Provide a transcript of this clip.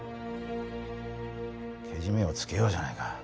けじめをつけようじゃないか新くん。